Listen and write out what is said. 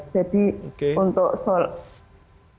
jadi untuk sholat